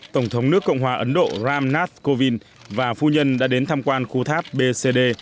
tổng thống nước cộng hòa ấn độ ram nath kovind và phu nhân đã đến tham quan khu tháp bcd